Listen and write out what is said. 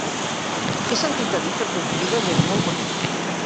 He sentit a dir que Confrides és molt bonic.